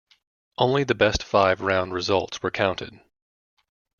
Only the best five round results were counted.